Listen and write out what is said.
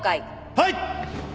はい。